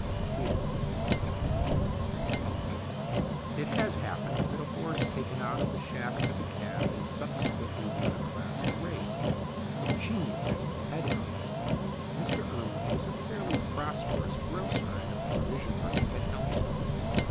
II IT has happened that a horse taken out of the shafts of a cab has subsequently won a classic race. Genius has no pedigree. Mr Urwen was a fairly prosperous grocer and provision merchant at Helmstone.